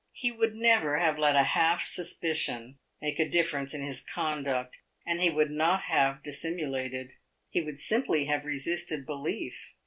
He would never have let a half suspicion make a difference in his conduct, and he would not have dissimulated; he would simply have resisted belief.